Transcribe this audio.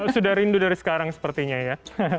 sudah rindu dari sekarang sepertinya ya